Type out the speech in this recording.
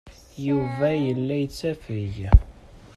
Yuba yella yettafeg.